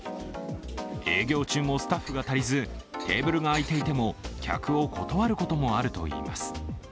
営業中もスタッフが足りずテーブルが空いていても客を断ることもあるといいます。